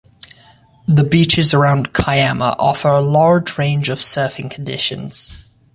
The beaches around Kiama offer a large range of surfing conditions.